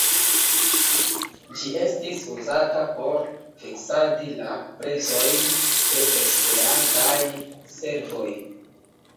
Ĝi estis uzata por fiksadi la prezojn de Esperantaj servoj.